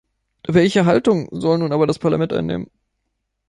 Welche Haltung soll nun aber das Parlament einnehmen?